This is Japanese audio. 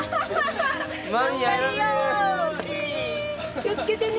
気をつけてね。